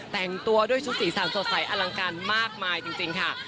แต่งตัวด้วยชุดสีสันสดใสอลังการมากมายจริงค่ะ